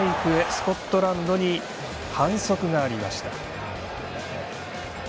スコットランドに反則がありました。